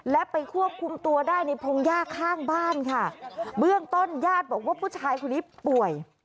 และไปควบคุมตัวได้ในพงหญ้าข้างบ้านค่ะเบื้องต้นญาติบอกว่าผู้ชายคนนี้ป่วย